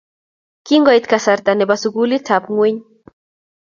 Kingoit kasarta nebo sukulitap ngweny